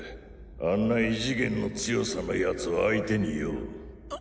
あんな異次元の強さのヤツ相手によ？